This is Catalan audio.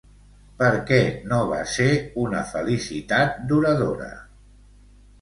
Per què no va ser una felicitat duradora?